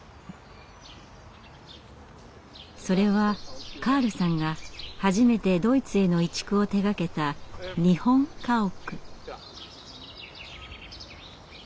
それはカールさんが初めてドイツへの移築を手がけた日本家屋。